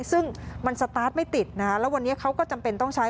ซึ่งมันสตาร์ทไม่ติดนะคะแล้ววันนี้เขาก็จำเป็นต้องใช้